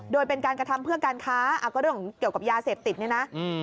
โดยเป็นการกระทำเพื่อการค้าก็เรื่องเกี่ยวกับยาเสพติดเนี่ยนะ